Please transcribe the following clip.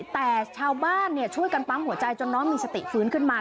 แต่ชาวบ้านช่วยกันปั๊มหัวใจจนน้องมีสติฟื้นขึ้นมา